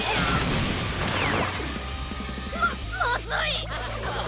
ままずい！